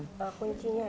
itu salah satu kuncinya